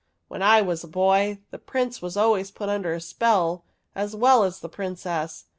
When I was a boy, the Prince was always put under a spell as well as the Princess.